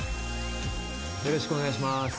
よろしくお願いします。